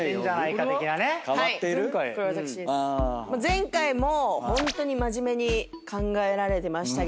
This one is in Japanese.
前回もホントに真面目に考えられてましたけれども。